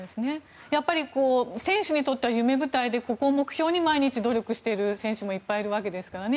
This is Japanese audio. やはり選手にとっては夢舞台でここを目標に毎日努力している選手もいっぱいいるわけですからね。